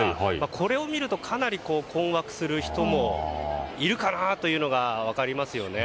これを見るとかなり困惑する人もいるかなというのが分かりますね。